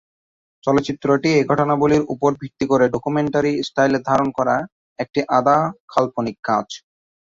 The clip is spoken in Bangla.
চলচ্চিত্রটি এই ঘটনাবলির উপর ভিত্তি করে ডকুমেন্টারি-স্টাইলে ধারণ করা একটি আধা-কাল্পনিক কাজ।